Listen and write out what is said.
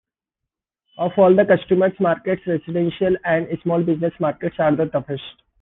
Of all the customer markets, residential and small business markets are the toughest.